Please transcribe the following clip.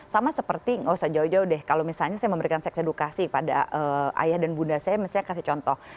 sama seperti nggak usah jauh jauh deh kalau misalnya saya memberikan seks edukasi pada ayah dan bunda saya misalnya kasih contoh